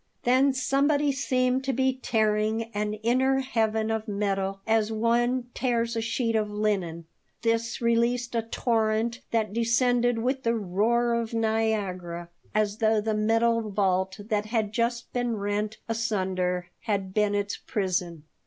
Then somebody seemed to be tearing an inner heaven of metal as one tears a sheet of linen. This released a torrent that descended with the roar of Niagara, as though the metal vault that had just been rent asunder had been its prison.